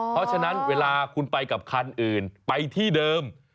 เพราะฉะนั้นเวลาคุณไปกับคันอื่นไปที่เดิม